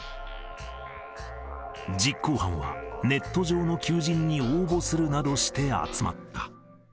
実行犯はネット上の求人に応募するなどして集まった。